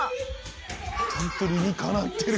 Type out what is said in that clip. ほんと理にかなってる。